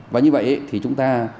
và như vậy thì chúng ta